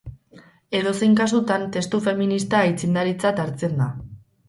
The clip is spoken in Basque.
Edozein kasutan, testu feminista aitzindaritzat hartzen da.